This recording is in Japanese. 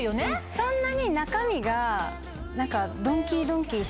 そんなに中身が。